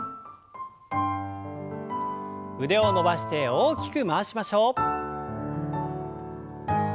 腕を伸ばして大きく回しましょう。